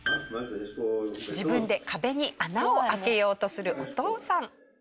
自分で壁に穴を開けようとするお父さん。